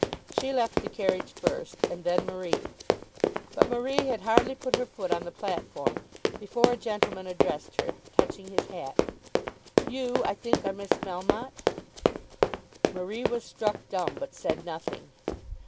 She left the carriage first, and then Marie. But Marie had hardly put her foot on the platform, before a gentleman addressed her, touching his hat, "You, I think, are Miss Melmotte." Marie was struck dumb, but said nothing.